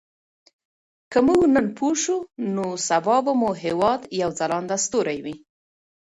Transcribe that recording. که موږ نن پوه شو نو سبا به مو هېواد یو ځلانده ستوری وي.